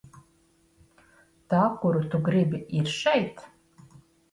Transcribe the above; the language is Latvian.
Tā kuru tu gribi, ir šeit?